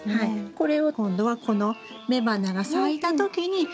これを今度はこの雌花が咲いた時にちょんちょん。